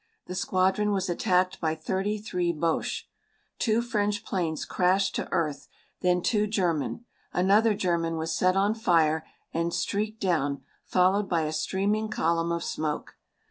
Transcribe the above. The squadron was attacked by thirty three Boches. Two French planes crashed to earth then two German; another German was set on fire and streaked down, followed by a streaming column of smoke.